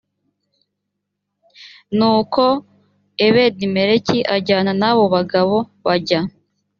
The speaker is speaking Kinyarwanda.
nuko ebedimeleki ajyana n abo bagabo bajya